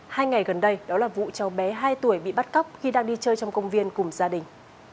hai ngày gần đây đó là vụ cháu bé hai tuổi bị bắt cóc khi đang đi chơi trong công viên cùng gia đình